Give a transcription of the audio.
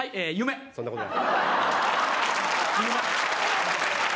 そんなことない。